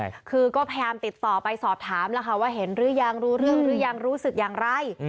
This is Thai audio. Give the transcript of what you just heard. ใช่คือก็พยายามติดต่อไปสอบถามแล้วค่ะว่าเห็นหรือยังรู้เรื่องหรือยังรู้สึกอย่างไร